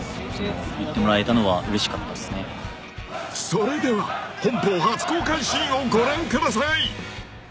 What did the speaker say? ［それでは本邦初公開シーンをご覧ください］